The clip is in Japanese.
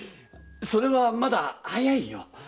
それはまだ早いよ。